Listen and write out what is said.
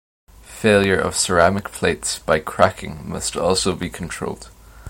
Failure of ceramic plates by cracking must also be controlled.